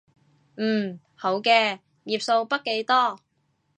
嗯，好嘅，頁數筆記多